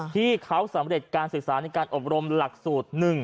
ที่เขาสำเร็จการศึกษาในการอบรมหลักสูตร๑